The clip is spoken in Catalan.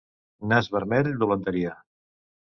Nas vermell, dolenteria.